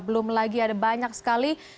belum lagi ada banyak sekali